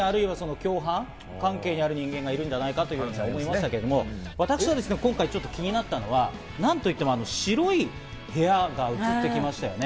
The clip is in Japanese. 社内に共犯関係にある人間がいるんじゃないかという見方もできますけど私が今回、気になったのは何といっても白い部屋が映ってきましたね。